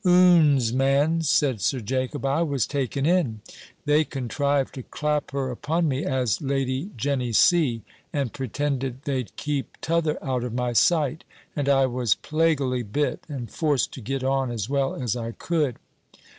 "Oons man!" said Sir Jacob, "I was taken in. They contrived to clap her upon me as Lady Jenny C. and pretended they'd keep t'other out of my sight; and I was plaguily bit, and forced to get on as well as I could."